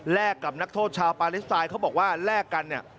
กับนักโทษชาวปาเลสไตน์เขาบอกว่าแลกกันเนี่ย